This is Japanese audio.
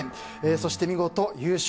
そして見事優勝。